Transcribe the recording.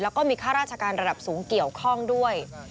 แล้วก็มีค่าราชการระดับสูงเกี่ยวข้องด้วย